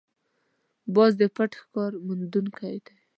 باز د پټ ښکار موندونکی دی